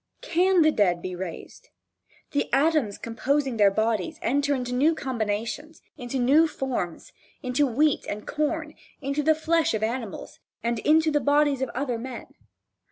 Can the dead be raised? The atoms composing their bodies enter into new combinations, into new forms, into wheat and corn, into the flesh of animals and into the bodies of other men.